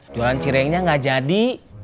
jualan cirengnya gak jadi